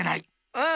うん！